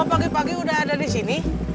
kau pagi pagi udah ada disini